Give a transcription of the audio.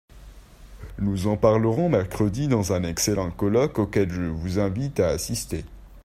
Nous en parlerons mercredi dans un excellent colloque auquel je vous invite à assister.